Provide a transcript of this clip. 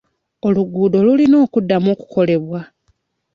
Oluguudo lulina okuddamu okukolebwa.